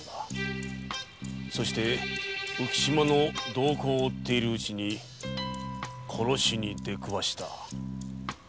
そして浮島の動きを追っているうちに殺しに出くわした。